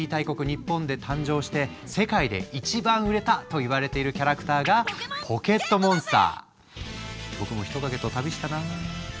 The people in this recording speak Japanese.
日本で誕生して世界で一番売れたといわれているキャラクターが僕もヒトカゲと旅したなあ。